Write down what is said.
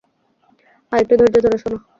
আর একটু ধৈর্য্য ধরো, সোনা।